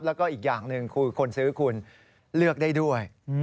แล้วก็อีกอย่างหนึ่งคือคนซื้อคุณเลือกได้ด้วย